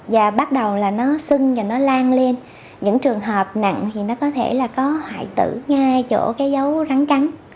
và bắt đầu là nó sưng và nó lan lên những trường hợp nặng thì nó có thể là có hoại tử nghe chỗ cái dấu rắn cắn